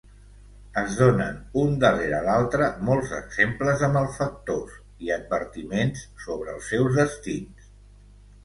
Es donen un darrere l'altre molts exemples de malfactors i advertiments sobre els seus destins.